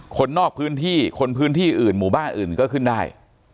คนนอกพื้นที่คนพื้นที่อื่นหมู่บ้านอื่นก็ขึ้นได้